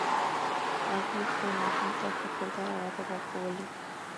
هغې خپل ماشوم ته ښه کردار او ادب ور ښوولی